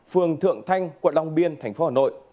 phường thượng thanh quận đông biên tp hà nội